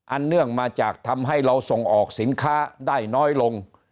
เนื่องมาจากทำให้เราส่งออกสินค้าได้น้อยลง